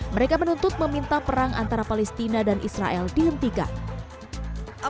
mereka menuntut meminta perang antara palestina dan israel dihentikan